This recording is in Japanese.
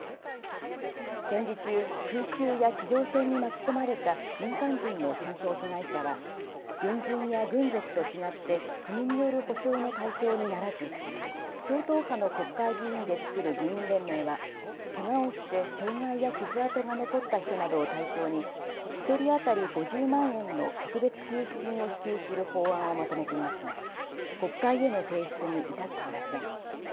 戦時中、空襲や地上戦に巻き込まれた民間人の戦争被害者は軍人や軍属と違って国による補償の対象にならず超党派の国会議員で作る議員連盟はけがをして障害や傷痕が残った人などを対象に１人当たり５０万円の特別給付金を支給する法案をまとめていますが国会への提出に至っていません。